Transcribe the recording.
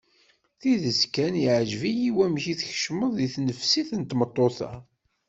Tidet kan yeɛjeb-iyi wamek tkecmeḍ deg tnefsit n tmeṭṭut-a.